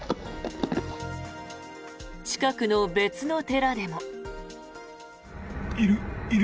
近くの別の寺でも。